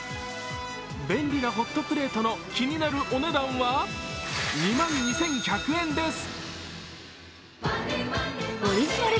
便利なホットプレートの気になるお値段は２万２１００円です。